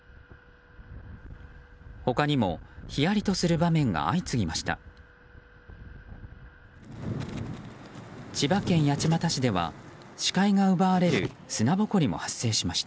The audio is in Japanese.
他にも、ひやりとする場面が相次ぎました。